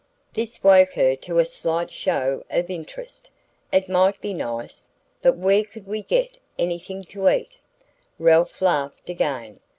This woke her to a slight show of interest. "It might be nice but where could we get anything to eat?" Ralph laughed again.